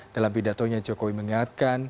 dalam pidatonya jokowi mengingatkan